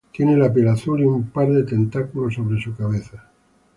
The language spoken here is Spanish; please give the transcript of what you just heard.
Tiene la piel azul y un par de tentáculos sobre su cabeza.